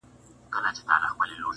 یوه ورځ یې زوی له ځان سره سلا سو،